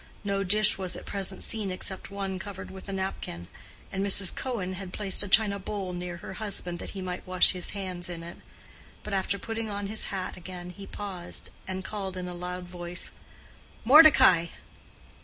No dish was at present seen except one covered with a napkin; and Mrs. Cohen had placed a china bowl near her husband that he might wash his hands in it. But after putting on his hat again, he paused, and called in a loud voice, "Mordecai!"